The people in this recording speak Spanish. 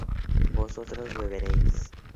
vosotros beberéis